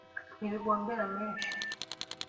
ntibigombera menshi